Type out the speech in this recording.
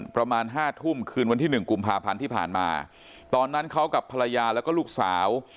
ประมาณห้าทุ่มคืนวันที่หนึ่งกุมภาพันธ์ที่ผ่านมาตอนนั้นเขากับภรรยาแล้วก็ลูกสาว